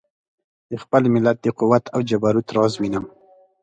د خپل ملت د قوت او جبروت راز وینم.